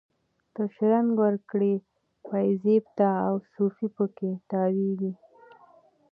ته شرنګ ورکړي پایزیب ته، او صوفي په کې تاویږي